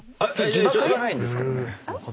字幕がないんですけどね。